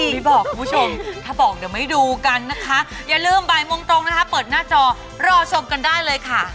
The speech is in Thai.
ไม่บอกคุณผู้ชมถ้าบอกเดี๋ยวไม่ดูกันนะคะอย่าลืมบ่ายโมงตรงนะคะเปิดหน้าจอรอชมกันได้เลยค่ะ